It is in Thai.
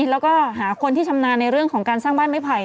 แล้วก็หาคนที่ชำนาญในเรื่องของการสร้างบ้านไม้ไผ่